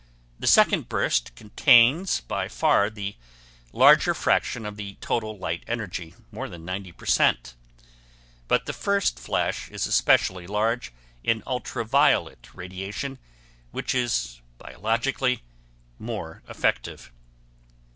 The second burst contains by far the larger fraction of the total light energy, more than 90%. But the first flash is especially large in ultra violet radiation which is biologically more effective.